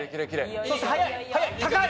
そして速い高い！